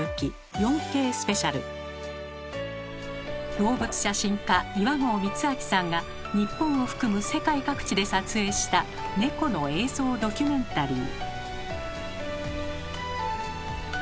動物写真家岩合光昭さんが日本を含む世界各地で撮影したネコの映像ドキュメンタリー。